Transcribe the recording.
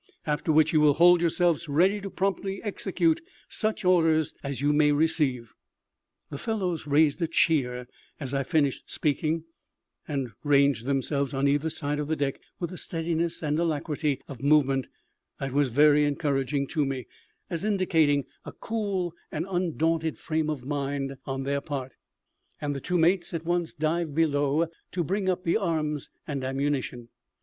After which you will hold yourselves ready to promptly execute such orders as you may receive." The fellows raised a cheer as I finished speaking, and ranged themselves on either side of the deck with a steadiness and alacrity of movement that was very encouraging to me, as indicating a cool and undaunted frame of mind on their part; and the two mates at once dived below to bring up the arms and ammunition.